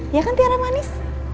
iya kan tiara manis